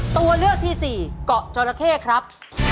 ตัวเลือกที่สี่เกาะจราเข้ครับ